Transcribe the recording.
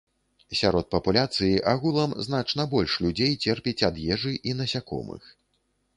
Сярод папуляцыі агулам значна больш людзей церпіць ад ежы і насякомых.